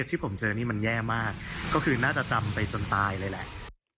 ที่ผมเจอนี่มันแย่มากก็คือน่าจะจำไปจนตายเลยแหละ